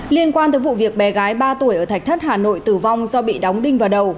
liên quan tới vụ việc bé gái ba tuổi ở thạch thất hà nội tử vong do bị đóng đinh vào đầu